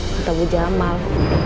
kata bu jamal